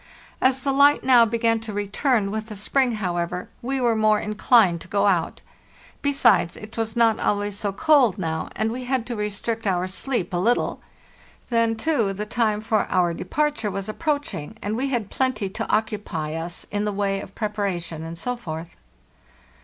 As the light now began to return with the spring, however, THE NEW YEAR, 1896 465 we were more inclined to go out. Besides, it was not always so cold now, and we had to restrict our sleep a little. Then, too, the time for our departure was ap proaching, and we had plenty to occupy us in the way of preparation and so forth.